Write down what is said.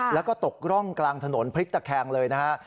แล้วก็ตกร่องกลางถนนพลิกตะแคงเลยนะฮะ